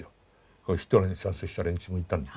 ヒトラーに賛成した連中もいたんで。